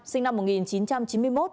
sinh năm một nghìn chín trăm chín mươi một